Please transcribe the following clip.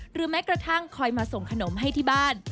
แม้กระทั่งคอยมาส่งขนมให้ที่บ้าน